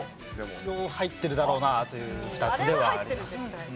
一応入ってるだろうなという２つではあります。